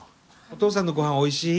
お父さんの御飯おいしい？